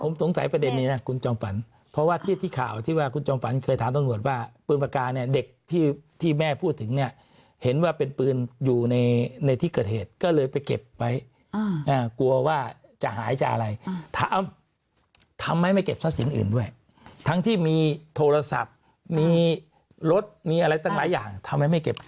ผมสงสัยประเด็นนี้นะคุณจอมฝันเพราะว่าที่ข่าวที่ว่าคุณจอมฝันเคยถามตำรวจว่าปืนปากกาเนี่ยเด็กที่แม่พูดถึงเนี่ยเห็นว่าเป็นปืนอยู่ในที่เกิดเหตุก็เลยไปเก็บไว้กลัวว่าจะหายจากอะไรถามทำไมไม่เก็บทรัพย์สินอื่นด้วยทั้งที่มีโทรศัพท์มีรถมีอะไรตั้งหลายอย่างทำไมไม่เก็บ